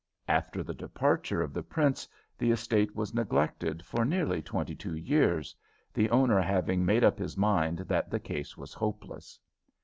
After the departure of the prince the estate was neglected for nearly twenty two years, the owner having made up his mind that the case was hopeless.